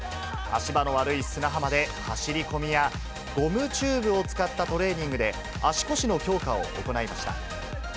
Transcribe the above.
足場の悪い砂浜で、走り込みやゴムチューブを使ったトレーニングで、足腰の強化を行いました。